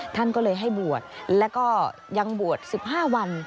ท่านก็เลยให้บวชแล้วก็ยังบวช๑๕วัน